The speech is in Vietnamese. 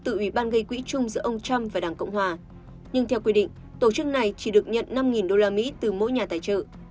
tổ chức này là một tổ chức gây quỹ trung giữa ông trump và đảng cộng hòa nhưng theo quy định tổ chức này chỉ được nhận năm đô la mỹ từ mỗi nhà tài trợ